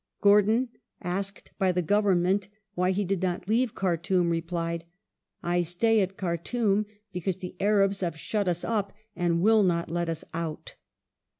Gordon, asked by the Government why he did not leave Khartoum, replied, " I stay at Khartoum, because the Arabs have shut us up and will not let us out